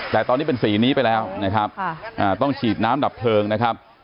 แต่ตอนนี้เป็นสีนี้ไปแล้วนะครับต้องฉีดน้ำดับเพลิงนะครับ